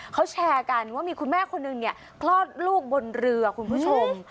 เขาแชร์กันว่ามีคุณแม่คนนึงเนี่ยคลอดลูกบนเรือคุณผู้ชม